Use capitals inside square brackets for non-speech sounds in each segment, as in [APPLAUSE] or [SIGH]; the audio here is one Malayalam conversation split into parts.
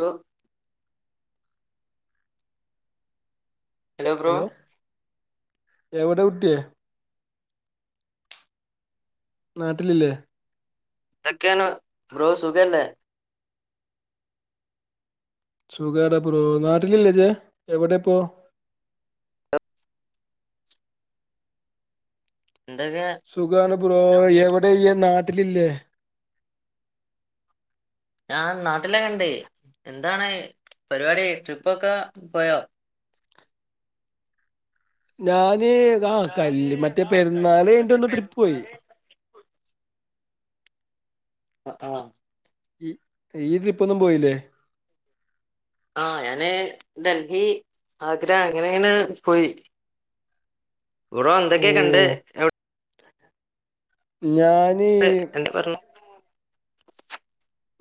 ലോ ഹലോ എവിടെ കുട്ട്യേ നാട്ടിലില്ലേ എതൊക്കെയാണ് ബ്രോ സുഖല്ലേ സുഖട ബ്രോ, നാട്ടിലല്ലേജ് എവിടെ ഇപ്പോ എന്തൊക്കെയ സുഖമാണ് ബ്രോ എവിടെ ഇയ്യ് നാട്ടിലില്ലേ? ഞാൻ നാട്ടിലൊക്കെ ഉണ്ട്. എന്താണ് പരിപാടി ട്രിപ്പൊക്കെ പോയോ? ഞാന് ആ കല്ല് മറ്റേ പെരുന്നാൾ കഴിഞ്റ്റ് ഒന്ന് ട്രിപ്പ് പോയി ആ ആഹ് ഇയ്യ് ട്രിപ്പന്നും പോയില്ലേ ആഹ് ഞാന് ഡൽഹി ആഗ്ര അങ്ങനെങ്ങനെ പോയി ബ്രോ എന്തൊക്കെയെ കണ്ട് ഞാൻ എന്താ പറഞ്ഞു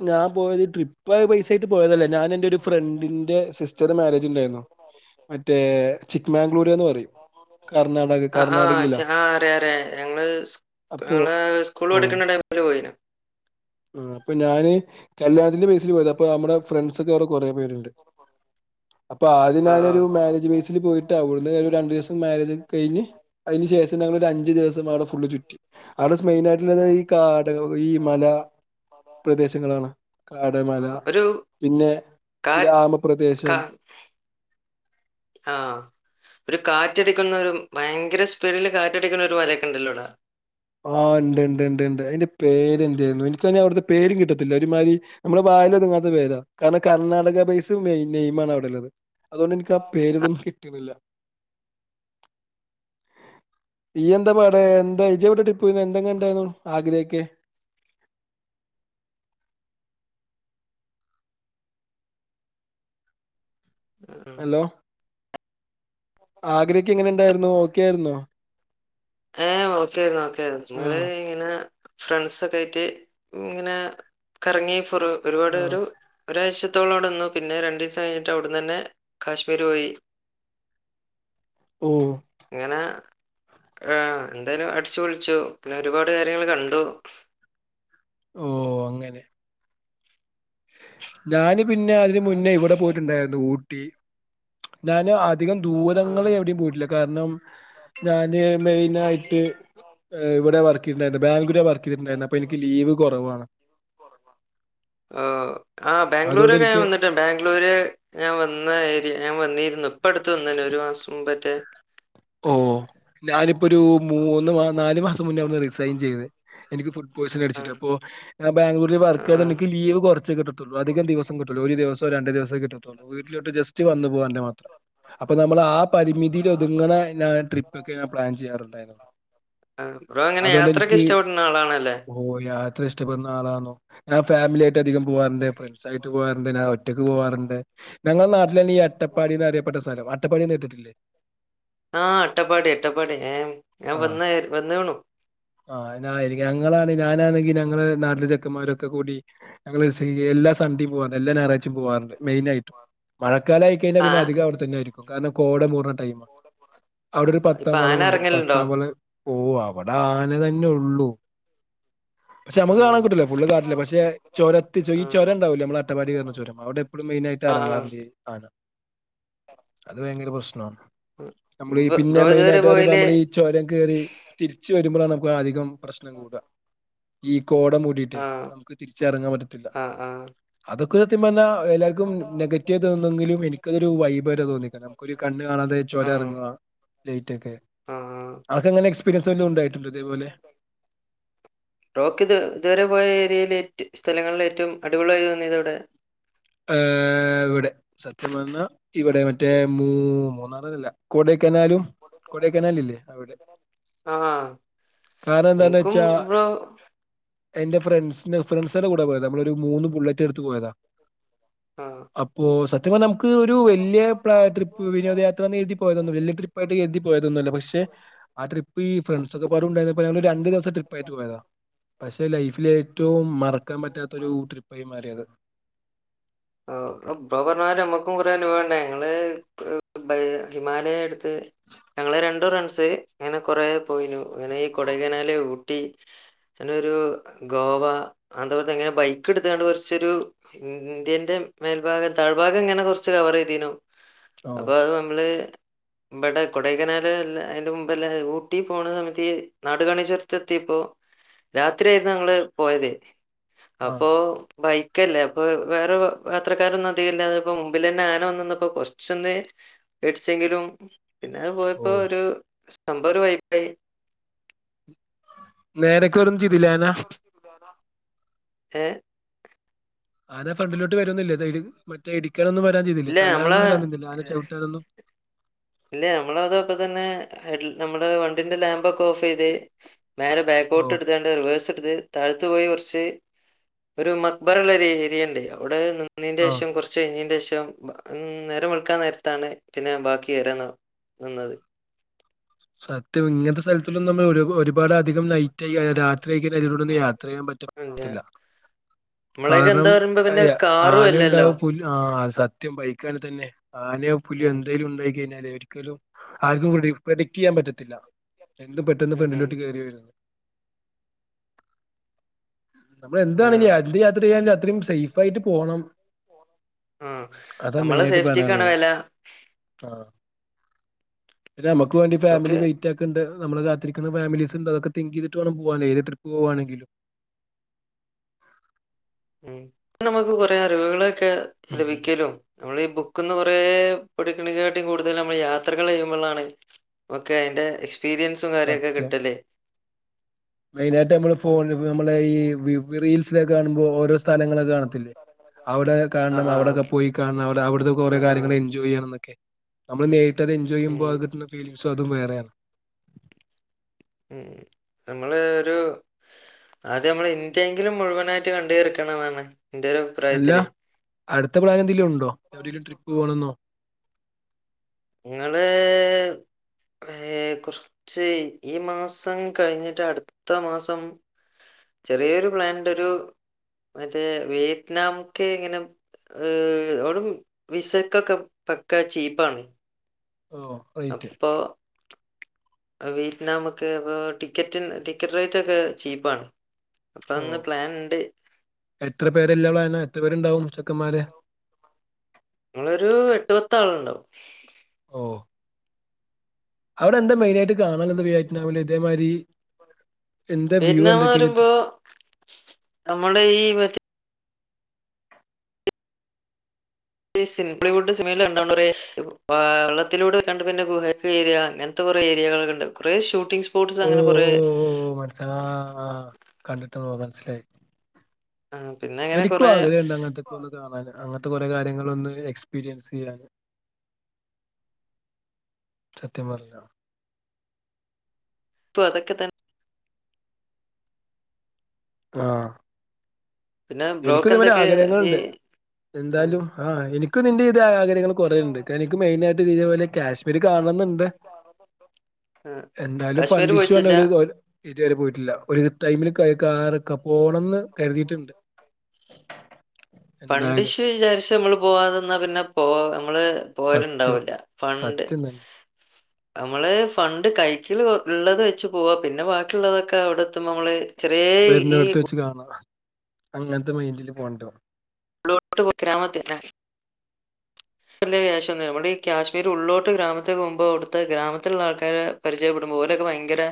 ഞാൻ പോയത് ട്രിപ്പ് പ്പൊ പൈസായിട്ട് പോയതല്ല ഞാൻ എന്റെ ഒരു ഫ്രണ്ടിന്റെ സിസ്റ്ററി മാരേജ് ഉണ്ടായിരുന്നു മറ്റേ ചിക്മാംഗ്ലൂര്ന്ന് പറയും കർണാടക ആഹ് ആഹ് കർണാടകയിലാ ചാ അറിയ അറിയാ ഞങ്ങള് അപ്പൊ ഞങ്ങള് സ്കൂള് ആ പഠിക്ക്ണ ടി പോയിനു ആ അപ്പൊ ഞാന് കല്യാണത്തിന്റെ ബേസിൽ പോയത് അപ്പൊ നമ്മടെ ഫ്രണ്ട്സ ഒക്കെ അവിടെ കൊറെ പേരുണ്ട് അപ്പൊ ആദ്യ ആ ഞാനൊരു ആ മാരേജ് പോയിട്ട രണ്ട് ദിവസം മാരേജ് എല്ലാം കഴിഞ് അതിന് ശേഷം ഞങ്ങളൊരു അഞ്ച് അഞ്ച് ദിവസം അവിടെ ഫുള്ള് ചുറ്റി അവിടെ മെയിനായിട്ടുള്ളത് ഈ കാട് ഈ മല പ്രദേശങ്ങളാണ് കാട് ആ, മല ഒരു പിന്നെ കാ ഗ്രാമപ്രദേശം കാ ആഹ് ഒരു കാറ്റടിക്കുന്ന ഒരു ഭയങ്കര സ്പീഡില് കാറ്റടിക്കുന്ന ഒരു മരക്കെണ്ടല്ലോ അവ്ടെ? ആഹ് ഇണ്ട്ണ്ട് ഇണ്ട് ഇണ്ട് അതിന്റെ പേരെന്തേയിരുന്നു എനിക്കതിന് അവിടുത്തെ പേരും കിട്ടത്തില്ല ഒരുമാതിരി നമ്മുടെ വായിലൊതുങ്ങാത്ത പേര കാരണം കർണാടക ബേസ് മെയി നെയിം ആണ് അവിടെള്ളത് അതുകൊണ്ട് ഇനിക്ക് ആ പേര്കളൊന്നും കിട്ട്ണില്ല ഇയ്യെന്താ പാട് എന്താ? എന്ത ഇജ്ജ് ഇവ്ടെ ഡി പോയിരുന്നു എന്തെക്കെ കണ്ടായിരുന്നു ആഗ്രഹക്കെ [UNINTELLIGIBLE] ഹലോ ആഗ്രക്കെ എങ്ങനെ ഇണ്ടായിരുന്നു ഓക്കെയായിരുന്നോ? ഏഹേ ഓക്കെ ആയിരുന്നു ഓക്കെ ആയിരുന്നു ഞ്ഞങ്ങള് ആഹ് ഇങ്ങനെ ഫ്രണ്ട്സൊക്കെ ആയിട്ട് ഇങ്ങനെ കറങ്ങി കൊറേ ഒരുപാട് ആഹ് ഒരു ഒരാഴ്ച ത്തോളം അവിടെ നിന്നു പിന്നെ രണ്ടീസം കഴിഞ്ഞിട്ട് അവിടെന്ന് തന്നെ കാശ്മീര് പോയി ഓഹ് അങ്ങനെ ഏഹ് എന്തായാലും അടിച്ചു പൊളിച്ചു പിന്നെ ഒരുപാട് കാര്യങ്ങൾ കണ്ടു ഓഹ് അങ്ങനെ ഞാന് പിന്നെ അതിന് മുന്നേ ഇവടെ പോയിട്ടുണ്ടായിരുന്നു ഊട്ടി ഞാനും അധികം ദൂരങ്ങള് എവിടിയും പോയിട്ടില്ല കാരണം ഞാന് മെയിനായിട്ട് ഇവടെ വർക്കെയ്ത്ട്ട് ഇണ്ടായിരുന്നേ ബാഗ്ലൂരാ വർക്ക് ചെയ്തിട്ടുണ്ടായിരുന്നെ അപ്പൊ ഇനിക്ക് ലീവ് കൊറവാണ് ആഹ് അതുകൊണ്ട് ബാംഗ്ലൂരൊക്കെ ഞാൻ എനിക്ക് വന്നിട്ടുണ്ട് ബാംഗ്ലൂര് ഞാൻ വന്ന ഏരിയ ഞാൻ വന്നിരുന്നു ഇപ്പ അടുത്ത് വന്ന്നി ഒരു മാസം മുംമ്പറ്റേ ഓഹ് ഞാനിപ്പോ ഒരു മൂന്ന് നാല് മാസം മുന്നേ റിസൈൻ ചെയ്ത് എനിക്ക് ഫു ഡ് പോയിസൻ അടിച്ചിട്ട് ആഹ് അപ്പോ ബാംഗ്ലൂരിൽ വർക്ക് ആഹ് ചെയതിട്ട് ആഹ് ഇനിക്ക് ലീവ് കൊറച്ചെ കിട്ട്ണൊള്ളു അധിക ദിവസം കിട്ടൂല ഒരു ദിവസോ രണ്ട് ദിവസേ കിട്ടത്തൊള്ളൂ വീട്ടിലോട്ട് ജസ്റ്റ് വന്നു പോകാല്ലേ മാത്രം അപ്പൊ നമ്മള് ആ പരിമിതിയിൽ ഒതുങ്ങണെ ട്രിപ്പൊക്കെ ഞാൻ പ്ലാൻ ചെയ്യാറുണ്ടായിരുന്നൊള്ളു ആഹ്. ബ്രോ എങ്ങനെ അത് കൊണ്ട് യാത്രൊക്കെ എനിക്ക് ഇഷ്ടപ്പെടുന്ന ആളാണല്ലേ ഓഹ് യാത്ര ഇഷ്ടപ്പെടുന്ന ആളാന്നോ ഞാൻ ഫാമിലിയായിട്ട് അധികം പോവാറ്ണ്ട് ഫ്രണ്ട്സായിട്ട് പോ പോവാറ്ണ്ട് ഞാൻ ഒറ്റക്ക് പോവാറുണ്ട് ഞങ്ങളെ നാട്ടിലാണ് ഈ അട്ടപ്പാടിയെന്ന് അറിയപ്പെട്ട സ്ഥലം അട്ടപ്പാടി എന്ന് കേട്ടിട്ടില്ലേ? ആഹ് അട്ടപ്പാടി അട്ടപ്പാടി ഏഹ് ഞാൻ വന്ന് വന്ന് കാണും ആഹ് ഞാന് ആ ഏരിയെ ഞങ്ങളാണെങ്കി ഞാനാണെങ്കി ഞങ്ങള് നാട്ടില് ചെക്കമ്മാരൊക്കെ കൂടി ഞങ്ങള് എല്ലാ സൺഡിയും പോവാറുണ്ട് എല്ലാ ഞായറാഴ്ച്ചയും പോവാറുണ്ട് മെയിനായിട്ടും മഴക്കാലായി കഴിഞ്ഞ പിന്നെ ആഹ് അധികം അവിടെത്തന്നെ ആയിരിക്കും കാരണം കോടകൂട്ണ ടൈമാ അവിടെ ഒരു ഇപ്പൊ പത്താം ആന വളവ്ണ്ട് എറങ്ങലുണ്ടോ പത്താംവള ഓഹ് അവിടെ ആന തന്നെ ഒള്ളൂ പക്ഷേ നമ്മക്ക് ആഹ് കാണൻ കിട്ടൂല്ല ഫുള്ള് കാട്ടില പക്ഷേ ചൊരത്ത് ഈ ആഹ് ചൊരണ്ടാവില്ലേ നമ്മള് അട്ടപ്പാടി കേറുന്ന ചുരം അവിടെ എപ്പളും മെയിനായിട്ട് ആഹ് എറങ്ങാറുണ്ട് ഈ ആന അത് ഭയങ്കര പ്രശ്നമാണ് ഉം നമ്മള് ഈ പിന്നെ മെയിനായിട്ട് പറയുമ്പോ നമ്മള് ഈ ചൊരം കേറി തിരിച്ച് വരുമ്പളാണ് നമുക്ക് അധികം പ്രശ്നം കൂടുക ഈ കോട മൂടി മൂടിയിട്ടെ ആഹ് നമുക്ക് തിരിച്ചെറങ്ങാൻ പറ്റത്തില്ല ആഹ് ആഹ് അതൊക്കെ സത്യം പറഞ്ഞാ അത് എല്ലാർക്കും നെഗറ്റീവായി തോന്നുന്നുവെങ്കിലും എനിക്ക് അതൊരു വൈബായിട്ടാ തോന്നിയേക്ക്ണേ നമുക്കൊരു കണ്ണ് കാണാതെ ചൊരം ആഹ് എറങ്ങുവാ ലേറ്റക്കെ ആഹ് അനക്ക്‌ അങ്ങനെ എക്സ്പീരിയൻസ് വല്ലതും ഉണ്ടായിട്ടുണ്ടോ ഇതേപോലെ? ആഹ് ബ്രോക്കി ഇത് ഇതുവരെ പോയ ഏരിയെല് ഏറ്റ് സ്ഥലങ്ങളിലിൽ ഏറ്റവും അടിപൊളിയായി തോന്നിയത് എവിടെ? ഏഹ് ഇവിടെ സത്യം പറഞ്ഞാൽ ഇവിടെ മറ്റേ മൂ മൂന്നാറിലല്ല കൊടേക്കനാലും കൊടേക്കെനാല് ഇല്ലേ അവടെ ആഹ് കാർണം എന്തെന്നാ എനിക്കും വെച്ചാ ബ്രോ എന്റെ ഫ്രണ്ട്സ് ഫ്രണ്ട്സെളെ കൂടെ പോയതാ നമ്മളൊരു മൂന്ന് ബുള്ളറ്റെടുത്ത് പോയതാ ആഹ് അപ്പോ, സത്യം പറഞ്ഞാ നമുക്ക് ഒരു വല്യ പ്ലാ ട്രിപ്പ് വിനോദ യാത്രാന്നെരുതി പോയതൊന്നുല്ല വല്യ ട്രിപ് യിട്ട് കര്തി പോയതൊന്നൊല്ല പക്ഷേ ആഹ് ട്രിപ്പ്‌ ഈ ഫ്രണ്ട്സൊക്കൊക്കെപ്പാടെ ഉണ്ടായിരുന്നപ്പോ ഞങ്ങള് രണ്ട് ദിവസ ട്രിപ്പ്‌ ആയിട്ട് പോയതാ പക്ഷേ ലൈഫിൽ ഏറ്റവും മറക്കാൻ പറ്റാത്ത ഒരു ട്രിപ്പായി മാറി അത് ആഹ് ഇബ്ബ പറഞ്ഞാരി നമ്മുക്കും കുറേ അനുഭവണ്ടായിനി ഞങ്ങള് ഹ് ഹ് ബ് ഹിമാലയ എട്ത്ത് ഞങ്ങള് രണ്ട് ഫ്രണ്ട്സ് ഇങ്ങനെ കൊറെ പോയിനു ഇങ്ങനെ ഈ കൊടേക്കനാല്, ഊട്ടി അങ്ങനൊരു ഗോവ [UNINTELLIGIBLE] എങ്ങനെ ബൈക്ക് എട്ത്താണ്ട് കൊർച്ചൊരു ഇന്ത്യന്‌ന്റെ മേൽഭാഗം താഴ്ഭാഗം ഇങ്ങനെ കൊറ് ച്ച് കവെറയ്യ്തിനു ഓ. അപ്പോ അത് നമ്മള് ഇബടെ കൊടൈക്കനാല് അല്ല അതിന്റെ മുമ്പെല്ല ഊട്ടി പോണ സമയത്ത് ഈ നാടുകാണി ചൊരത്ത് എത്തിയപ്പോ രാത്രി ആയിരുന്നു ഞങ്ങള് പോയത് ആഹ്. അപ്പോ ബൈക്കല്ലേ അപ്പം വേറെ യാത്രക്കാരൊന്നും അധികം ഇല്ലാഞ്ഞപ്പോ മുമ്പിലെന്നെ ആന വന്ന് നിന്നപ്പോ കൊറച്ചൊന്ന് പേടിച്ചെങ്കിലും പിന്നെ അഹ് ഓ. പോയപ്പോ ഒരു സംഭവം ഒരു വൈബ് ആയി നേരെക്കൊ ഒന്നും ചെയ്തില്ലേ ആനാ [UNINTELLIGIBLE] ഏഹ് ആന ഫ്രണ്ടിലോട്ട് വരിന്നില്ലേ സൈഡിൽ മറ്റേ ഇടിക്കാനൊന്നും വരാൻ ചെയ്തില്ലേ ഇല്ല നമ്മളെ തല്ലാനൊന്നും വരാൻ നിന്നില്ലേ ആന ചൗട്ടാനൊന്നും ഇല്യാ നമ്മള് അതപ്പതന്നെ ഹെഡ് ലാ നമ്മള് വണ്ടിന്റെ ലാമ്പ് ഒക്കെ ഓഫ് ചെയ്ത് [UNINTELLIGIBLE] ഓ ബേക്കോട്ട് എട്ത്താണ്ട് റിവേഴ്സ് എട്ത്ത് താഴത്ത് പോയി കൊർച്ച് ഒരു മക്ബറെയ്ള്ള ഒരു ഏരിയ ഇണ്ട് അവിടെ നിന്ന് ആ നിന്നേന്റെഷം കൊർച്ച കഴിഞ്ഞേന്റെഷം നേരം വെൾക്കാൻ നേരത്താണ് പിന്നെ ബാക്കി [UNINTELLIGIBLE] നിന്നത് സത്യം, ഇങ്ങൻത്തെ സ്ഥലത്തൊന്നും നമ്മള് ഒരു പൊ ഒരുപാ ഒരുപാട് അധികം നൈറ്റ് ആയി കയിഞ്ഞാ രാത്രി ആയി കഴിഞ്ഞാ അതിലൂടെ ഒന്നും യാത്ര ചെയ്യാൻ പറ്റാ പിന്നെ പറ്റത്തില്ല നമ്മളെയൊക്കെ എന്താ കാര്ണം പറയുമ്പോ പിന്നെ അയ കാറും അല്ലല്ലോ ആനണ്ടാവും പുലി ആഹ് സത്യം ബൈക്കാണേ തെന്നെ ആനയോ പുലിയോ ഉം, എന്തേലും ഇണ്ടായി കഴിഞ്ഞാല് ഒര് ക്കലും ആർക്കും പ്രഡി പ്രഡിക്ട് ചെയ്യാൻ പറ്റത്തില്ല എന്തും പെട്ടെന്ന് ഉം, ഉം. ഫ്രണ്ടിലോട്ട് കേറി വരും നമ്മള് ആ, എന്താണേലിലും എന്ത് യാത്ര ചെയ്യാനേലും അത്രയും സേഫ് ആയിട്ട് പോണം ആ. അതാ നമ്മളെ മെയിനായിട്ട് സേഫ്റ്റിക്കാണ് പറയാള്ളത് വില ആഹ് പിന്നെ നമ്മുക്കു വേണ്ടി ബ്രോക്ക് ഫാമിലി വെയ് റ്റാക്ക്ണ്ട് നമ്മളെ കാത്തിരിക്കുന്ന ഫാമിലീസ്‌ണ്ട് അതൊക്കെ തിങ്കെയ്തിട്ട് വേണം പോകാന്. ഏത് ട്രിപ്പ് പോവാണെങ്കിലും ഉം നമ്മുക്ക് കുറെ അറിവുകളൊക്കെ ഉം ലഭിക്കലും നമ്മള് ഈ ബുക്ക്ന്ന് കൊറേ പഠിക്ക്ണെകാട്ടും കൂടുതൽ നമ്മള് യാത്രകൾ ചെയ്യുമ്പോഴാണ് ഒക്കെ അയിന്റെ എക്സ്പീരിയൻസും കാര്യൊക്കെ സത്യം കിട്ടല് മെയിനായിട്ട് നമ്മള് ഫോൺ നമ്മള് ഈ വ്യൂ റീൽസിലെ കാണുമ്പോ ഓരോ സ്ഥലങ്ങളൊക്കെ കാണ ത്തില്ലേ അവ്ടെ ആ കാണണം ആ അവിടൊക്കെ പോയി കാണണം അവിടെ അവിടെത്തെക്കെ ആ കുറെ ആ കാര്യങ്ങൾ എൻജോയ് ചെയ്യണം എന്നൊക്കെ നമ്മള് നേരിട്ടത് എൻജോയ് ചെയുമ്പോ ഉം അത് കിട്ടുന്ന ഫീലിംഗ്സും അതും വേറെയാണ് ഉം ഞങ്ങള് ഒരു ആദ്യം മ്മള് ഇന്ത്യങ്കിലും മുഴുവനായിട്ട് കണ്ടു തീർക്കണം ന്നാണ് ഇന്റെ ഒരു അല്ല അഭിപ്രായത്തില് അടുത്ത പ്ലാനെന്തെലും ഉണ്ടോ എവിടെലും ട്രിപ്പ്‌ പോണംന്നോ ഇങ്ങള് ഏ കുറച്ച് ഈ മാസം കഴിഞ്ഞിട്ട് അടുത്ത മാസം ചെറിയൊരു പ്ലാന്ണ്ട് ഒരു മറ്റേ വിയറ്റ്നാംക്ക് ഇങ്ങനെ ഹ് അവിടെ വിസക്കൊക്കെ പക്ക ചീപ്പാണ് ഓ റൈറ്റ് ഒക്കെപ്പോ വിയറ്റ്നാംക്ക് ഇപ്പം ടിക്കറ്റ് ടിക്കറ്റ് റേറ്റ് ഒക്കെ ചീപ്പാണ് അപ്പൊ ഓ [UNINTELLIGIBLE] പ്ലാൻണ്ട് എത്ര പേരില്ല എത്ര പേര്ണ്ടാവും ചെക്കന്മാര് നമ്മളൊരു ഏട്ട് പത്ത്ള്ണ്ടാവും ഓ അവിടെ എന്താ മെയിനായിട്ട് കാണാൻ എന്താ വിയറ്റ്നാംമില് ഇതേമായ്രി എന്താ വ്യൂ വിയറ്റ്നാം എന്തൊക്കെ കിട്ടും ഞമ്മളെ ഈ മറ്റേ ഹോളിവുഡ് സിനിമേൽ കണ്ടാണ്ടൊരു [UNINTELLIGIBLE] ഏ വെള്ളത്തിലൂടെപോയ്‌ക്കണ്ട് പിന്നെ ഗുഹക്ക് വെരാ അങ്ങനത്തെ കുറെ ഏരിയകളൊക്കെണ്ട് കുറെ ഷൂട്ടിംഗ്സ് ഫ്രൂട്സ് അങ്ങനെ കുറെ ആഹ് കണ്ടിട്ട്ണ്ട് മനസ്സിലായി ആ, പിന്നെ അങ്ങനെ എനിക്കും കൊറെ ആഗ്രഹംണ്ട് അങ്ങനത്തെ ക്കൊന്ന് കാണാന് അങ്ങനത്തെ കൊറെ കാര്യങ്ങൾ ഒന്ന് എക്സ്പീരിയൻസ് ചെയ്യാന് സത്യം പറഞ്ഞ പ്പൊ അതൊക്കെത്തന്നെ ആഹ പിന്നെ എനിക്കും ബ്രോക്ക് ഇതുപോലെ എന്തൊക്കെ ഈ ആഗ്രഹങ്ങൾണ്ട് എന്താലും ആഹ് എനിക്ക് ഇന്റെതയ ആഗ്രഹങ്ങള് കുറേ ഉണ്ട് എനിക്ക് മെയിൻ ആയിട്ട് ഇതേപോലെ കാശ്മീര് കാണണ്ണംന്നുണ്ട് ആഹ് എന്തായാലും കാശ്മീർ ഫണ്ട് ഇഷ്യുണ് പോയിട്ടില്ല ഒരു ഇതുവരെ പോയിട്ടില്ല ഒരു ടൈമില് കാറൊക്കെ പോകണംന്ന് കരുതിയിട്ടുണ്ട് [INAUDIBLE] ഫണ്ട്‌ എന്തായാലും ഇഷ്യൂ വിചാരിച്ച് നമ്മള് പോവാതെന്നാ പിന്നെ പോ നമ്മള് സത്യം പോവല്ണ്ടാവൂല്ല ഫണ്ട് പേ സത്യം തന്നെ നമ്മള് ഫണ്ട് കൈക്കില് ഉള്ളത് വെച്ചു പോവാ പിന്നെ ബാക്കിള്ളതൊക്കെ അവിടെ എത്തുമ്പോ നമ്മള് ചെറേ ഈ ച്ച് കാണണം അങ്ങനത്തെ മെയിന്റിൽ പോണ്ടേ ല്ോട്ട് പോക്കരാമതി [UNINTELLIGIBLE] വല്യ കാശൊന്നുല്ല നമ്മുടെ ഈ കാശ്മീർ ഉള്ളോട്ട് ഗ്രാമത്തക്ക് പോകുമ്പോ അടുത്തെ ഗ്രാമത്തിൽള്ള ആൾക്കാരെ പരിചയപ്പെടുമ്പോ ഓലൊക്കെ ഭയങ്കര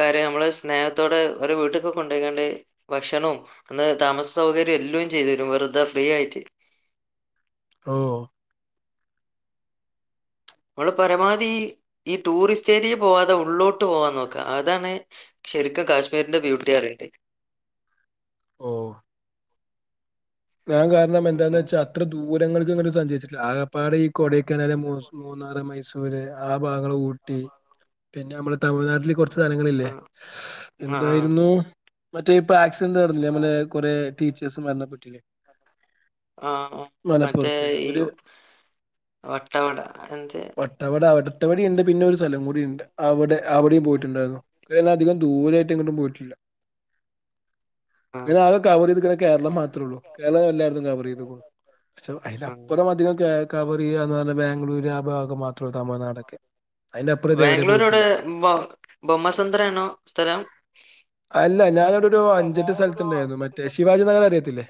കാര്യ നമ്മള് സ്നേഹത്തോടെ ഓരോ വീട്ട്ക്കൊക്കെ കൊണ്ടയ്ക്കാണ്ട് ഭക്ഷണും അന്ന് താമസ സൗകര്യം എല്ലോ ചെയ്ത്തരും വെറുതെ ഫ്രീ ആയിട്ട് ഓഹ് നമ്മള് പരമാവധി ഈ ടൂറിസ്റ്റെരിയേല് പോവാതെ ഉള്ളോട്ട് പോവാൻ നോക്ക അതാണ് ശരിക്ക് കാശ്മീരിന്റെ ബ്യൂട്ടി അറിയണ്ടെ ഓഹ് ഞാൻ കാരണം എന്താന്ന് വെച്ചാ അത്ര ദൂരങ്ങള്ക് അങ്ങനണ്ട് സഞ്ചരിച്ചിട്ടില്ല. ആകപ്പാടെ ഈ കൊടക്കനാല്, മൂന്നാറ് മൈസൂര് ആ ഭാഗങ്ങള് ഊട്ടി പിന്നെ നമ്മൾ തമിഴ്നാട്ടില് കുറച്ച് സ്ഥലങ്ങളില്ലേ. ആഹ് ആഹ് എന്തായിരുന്നു? മറ്റേ ഇപ്പൊ ആക്സിഡന്റ് നടന്നില്ലേ, നമ്മളെ കൊറെ ടീച്ചേഴ്സ് മരണപ്പെട്ടില്ലേ. ആഹ് മറ്റേ മലപ്പുറത്ത് ഈ അവര് വട്ടവട അങ്ങനത്തേ അവിടെ അവിടുത്തവടെ ഇണ്ട് പിന്നെ ഒരു സ്ഥലം കൂടി ഇണ്ട് അവിടെ അവിടേം പോയിട്ടുണ്ടായിരുന്നു. അയിന് അധികം ദൂരമായിട്ടേങ്ങണ്ടും പോയിട്ടില്ല. ഇതിലാകെ കവർ ചെയ്ത്കണത് കേരളം മാത്രേ ഉള്ളൂ. ആഹ് കേരളം എല്ലായിടത്തും കവർ ചെയ്ത്ക്ക്‌ണു. പക്ഷെ ഉം. അതിലപ്പുറം അധികം കവറേയാന്ന് പറഞ്ഞ, ബാംഗ്ലൂര് ആ ഭാഗം മാത്രള്ളൂ തമിഴ്നാട് ഒക്കെ ബാംഗ്ലൂർ എവിടെ ബൊമസേത്രം ആണോ സ്ഥലം അല്ല, ഞാനിവിടെ ഒരു ഇല്ല അഞ്ചെട്ട് ഞാനതൊരു സ്ഥലത്തുണ്ടായിരുന്നു. അഞ്ച് മറ്റേ ശിവാജി നഗർ അറിയത്തില്ലേ?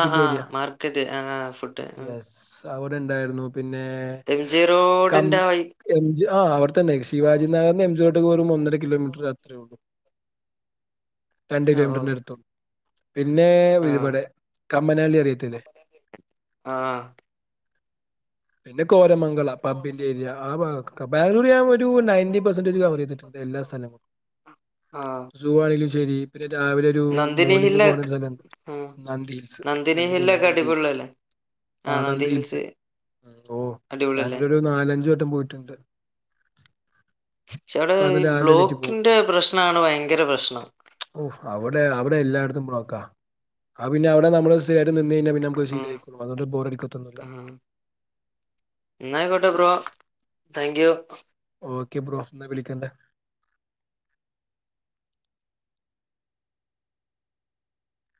ആഹ് ആഹ് ഏരിയ മാർക്കറ്റ് ആഹ് ആഹ് ഫുഡ് യെസ് അവിടെ ഇണ്ടായിരുന്നു. എം ജി പിന്നകം റോഡിന്റെ ആ വഴി എം. ജി ആഹ് അവ്ടെ തന്നെ ശവാജിനഗറിന്ന് എം. ജി റോട്ടിക്ക് വരൂബൊ ഒന്നര കിലോമീറ്ററ് അത്രേയുള്ളു. രണ്ട് ഓ ഓ കിലോമീറ്ററിന്റടുത്തോ? പിന്നെ ആഹ് ഇവിടെ, കമ്മനാള്ളി അറിയത്തില്ലേ? ആഹ് പിന്നെ കോരമംഗളം പബ്ബിന്റെ ഏരിയ ആഹ് ഭാഗം ഒക്കെ ബാംഗ്ലൂർ ഞാൻ ഒരു നയന്റി പെർസെന്റേജ് കവർ ചെയ്തിട്ടുണ്ട്. എല്ലാ സ്ഥലങ്ങളും. [INAUDIBLE] ആഹ് സൂ ആണെങ്കിലും ശരി പിന്നെ രാവിലെ ഒരു നന്ദിനി മോർണിംഗ് ഹില്ല് പോണ ഒരു സ്ഥലംണ്ട്. ആഹ് നന്ദി ഹിൽസ് നന്ദിനി അല്ല ഹില്ലൊക്കെ നന്ദി ഹിൽസ് അടിപൊളിയല്ലേ ആഹ് നന്ദി ഹിൽസ്. ഓഹ് അടിപൊളിയല്ലേ ഞാനൊരു നാലഞ്ചട്ടം പോയിട്ടുണ്ട്. പക്ഷേ അവിടെ കാരണം രാവിലെ എണീറ്റ് ബ്ലോക്കിന്റെ പ്രശ്നാണ് ഭയങ്കര പ്രശ്നം. ഓഹ്, അവിടെ അവിടെ എല്ലാടത്തും ബ്ലോക്കാ. ആഹ്, പിന്നെ അവിടെ നമ്മള് സ്ഥിരായിട്ട് നിന്ന് കയിഞ്ഞാ പിന്നെ നമക്ക് ഉം ശീലായിക്കോളും അതുകൊണ്ട് ബോറടിക്കാത്തൊന്നുമില്ല. എന്നാ ആയിക്കോട്ടെ bro thank you. Okay bro ഇന്ന വിളിക്കണ്ട്